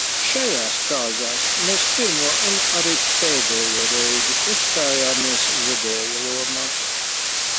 Šajās kāzās mēs pirmo un arī pēdējo reizi uzstājāmies vedēju lomās.